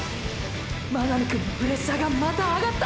真波くんのプレッシャーがまた上がった！！